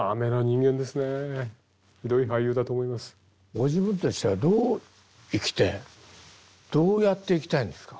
ご自分としたらどう生きてどうやっていきたいんですか？